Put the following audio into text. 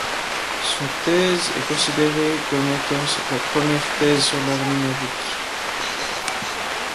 Son thèse est considéré comme étant la première thèse sur l'art numérique.